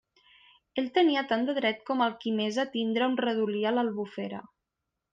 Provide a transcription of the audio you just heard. Ell tenia tant de dret com el qui més a tindre un redolí a l'Albufera.